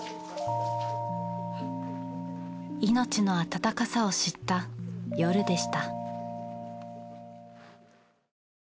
命の温かさを知った夜でした。